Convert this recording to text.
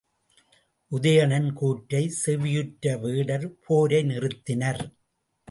உதயணன் கூற்றைச் செவியுற்ற வேடர் போரை நிறுத்தினர்.